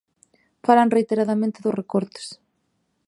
Falan reiteradamente dos recortes.